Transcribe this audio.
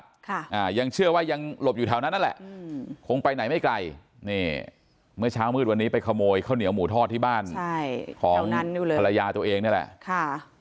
ของภรรยาตัวเองนั่นแหละค่ะ